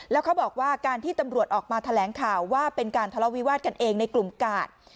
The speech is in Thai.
แล้วเขาบอกว่าการที่ตำรวจออกมาแถลงข่าวว่าเป็นการทะเลาวิวาสกันเองในกลุ่มกาด